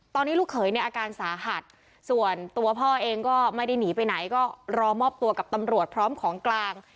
ตอนนี้ลูกเขยในอาการสาหัสส่วนตัวพ่อเองก็ไม่ได้หนีไปไหนก็รอมอบตัวกับตำรวจพร้อมของกลาง